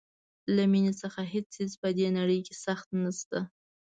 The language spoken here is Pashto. له مینې څخه هیڅ څیز په دې نړۍ کې سخت نشته.